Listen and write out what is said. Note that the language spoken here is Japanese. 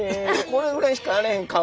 これぐらいしかあれへん顔。